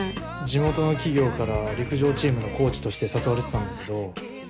地元の企業から陸上チームのコーチとして誘われてたんだけど。